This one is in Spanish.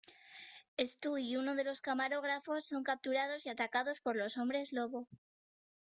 Stu y uno de los camarógrafos son capturados y atacados por los hombres lobo.